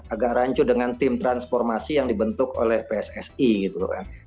agak rancu dengan tim transformasi yang dibentuk oleh pssi gitu kan